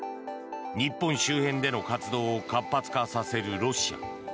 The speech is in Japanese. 日本周辺での活動を活発化させるロシア。